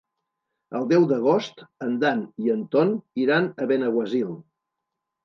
El deu d'agost en Dan i en Ton iran a Benaguasil.